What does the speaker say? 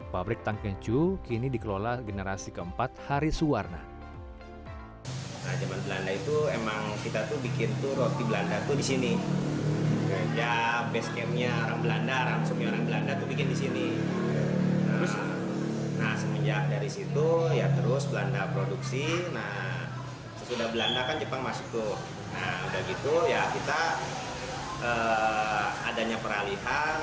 baru ngebuat roti